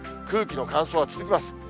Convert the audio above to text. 空気の乾燥は続きます。